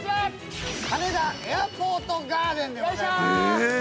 羽根田エアポートガーデンでございます。